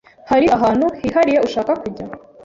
Hari ahantu hihariye ushaka kujya?